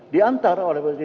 diantar oleh polisi